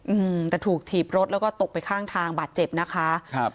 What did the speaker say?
อืมแต่ถูกถีบรถแล้วก็ตกไปข้างทางบาดเจ็บนะคะครับ